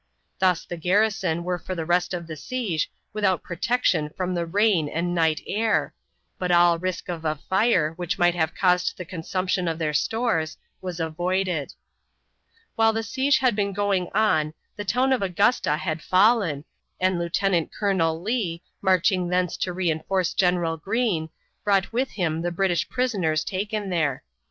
Thus the garrison were for the rest of the siege without protection from the rain and night air, but all risk of a fire, which might have caused the consumption of their stores, was avoided. While the siege had been going on the town of Augusta had fallen, and Lieutenant Colonel Lee, marching thence to re enforce General Greene, brought with him the British prisoners taken there.